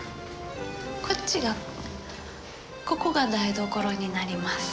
こっちがここが台所になります。